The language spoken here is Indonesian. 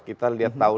kita lihat tahu